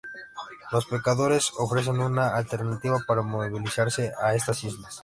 Los pescadores ofrecen una alternativa para movilizarse a estas islas.